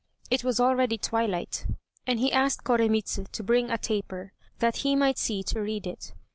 It was already twilight, and he asked Koremitz to bring a taper, that he might see to read it.